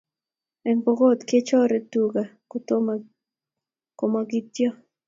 en pookot kechore tuka komo kityok